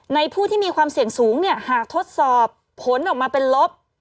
ผู้ที่มีความเสี่ยงสูงเนี่ยหากทดสอบผลออกมาเป็นลบ